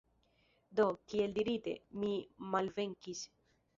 Do, kiel dirite, mi malvenkis.